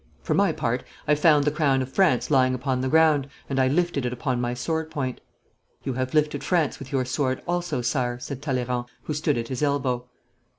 For my part, I found the crown of France lying upon the ground, and I lifted it upon my sword point.' 'You have lifted France with your sword also, Sire,' said Talleyrand, who stood at his elbow.